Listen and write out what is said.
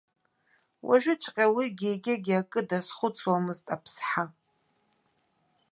Уажәыҵәҟьа уигьы-егьигьы акы дазхәыцуамызт аԥсҳа.